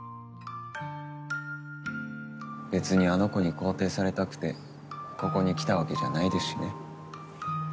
別にあの子に肯定されたくてここに来たわけじゃないですしね。